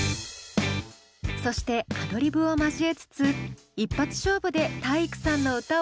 そしてアドリブを交えつつ一発勝負で体育さんの歌を録音。